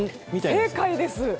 正解です。